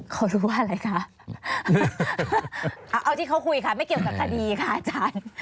เขารู้ว่าอะไรคะเอาที่เขาคุยค่ะไม่เกี่ยวกับคดีค่ะอาจารย์